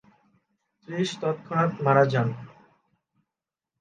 ত্রিশ তৎক্ষণাৎ মারা যান।